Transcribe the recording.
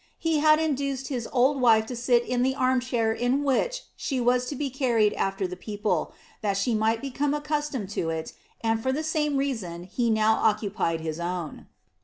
He had induced his old wife to sit in the armchair in which she was to be carried after the people, that she might become accustomed to it, and for the same reason he now occupied his own.